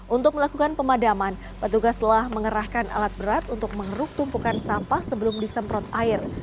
untuk melakukan pemadaman petugas telah mengerahkan alat berat untuk mengeruk tumpukan sampah sebelum disemprot air